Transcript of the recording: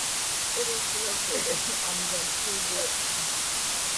It was located on Vancouver Island.